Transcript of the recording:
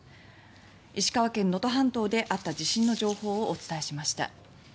石川県・能登半島であった地震の情報をお伝えしました。